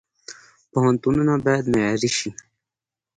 پوهنتونونه باید معیاري شي